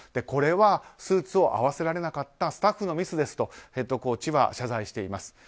これはスーツを合わせられなかったスタッフのミスですとヘッドコーチは謝罪しています。